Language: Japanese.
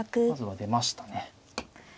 まずは出ましたね。